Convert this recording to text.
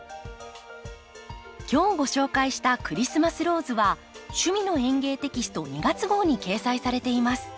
今日ご紹介した「クリスマスローズ」は「趣味の園芸」テキスト２月号に掲載されています。